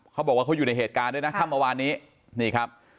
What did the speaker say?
เขาบอกว่าเขาอยู่ในเหตุการณ์ด้วยนะค่ำเมื่อวานนี้นี่ครับ